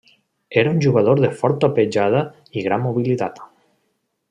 Era un jugador de forta pegada i gran mobilitat.